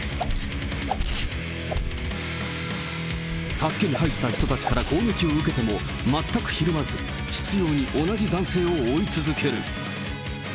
助けに入った人から攻撃を受けても、全くひるまず、執ように同じ男性を追い続ける。